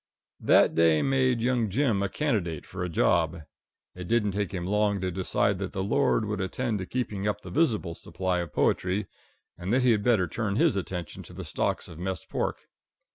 That day made young Jim a candidate for a job. It didn't take him long to decide that the Lord would attend to keeping up the visible supply of poetry, and that he had better turn his attention to the stocks of mess pork.